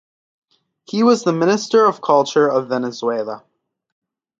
He was the Minister of Culture of Venezuela.